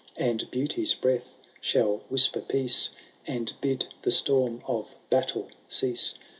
And Beauty^s breath shall whisper peace. And bid the storm of battle cease.